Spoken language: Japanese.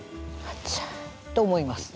「あちゃ」と思います。